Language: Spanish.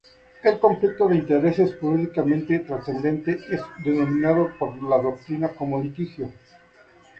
El conflicto de intereses jurídicamente trascendente es denominado por la doctrina como litigio.